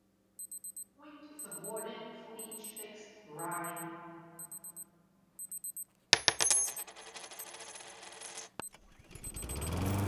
A point is awarded for each fixed rhyme.